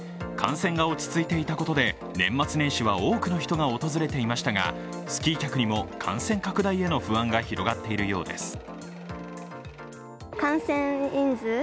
感染が落ち着いていたことで年末年始は多くの人が訪れていましたがスキー客にも感染拡大への不安が広がっているようです。